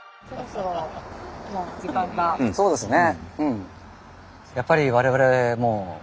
そうですね。